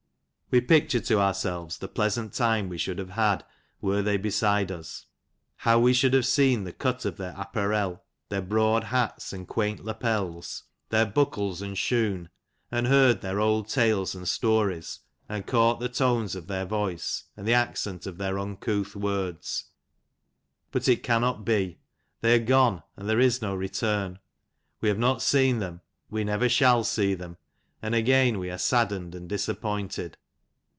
We picture to ourselves the pleasant time we should have had were they heside us, bow we should have seen the cut of their apparel, their broad hats, and quaint lappels ; their " buckles and shoon ;" and heard their old tales and stories, and caught the tones of their voice, and the accent of their uncouth words. But it cannot be ; they are gone, and there is no return ; we have not seen them, we never shall see them, and again we are saddened and disappointed.